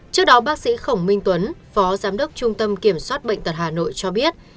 trước đó bác sĩ khổng minh tuấn phó giám đốc trung tâm kiểm soát bệnh tật hà nội cho biết